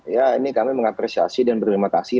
ya ini kami mengapresiasi dan berterima kasih